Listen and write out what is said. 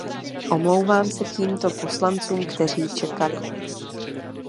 Omlouvám se tímto poslancům, kteří čekali.